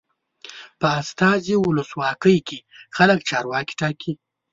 په استازي ولسواکۍ کې خلک چارواکي ټاکي.